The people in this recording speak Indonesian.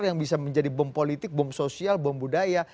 yang bisa menjadi bom politik bom sosial bom budaya